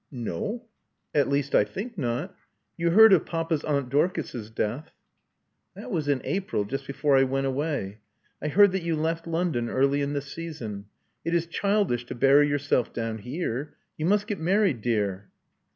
No. At least, I think not. You heard of papa's aunt Dorcas's death." •*That was in April, just before I went away. I heard that you left London early in the season. It is childish to bury yourself down here. You must get married, dear."